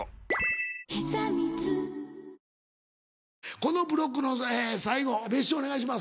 このブロックの最後別所お願いします。